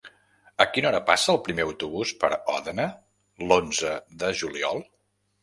A quina hora passa el primer autobús per Òdena l'onze de juliol?